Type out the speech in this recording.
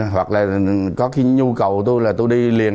hoặc là có cái nhu cầu tôi là tôi đi liền